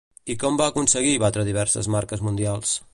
I com va aconseguir batre diverses marques mundials?